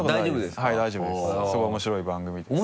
すごい面白い番組です。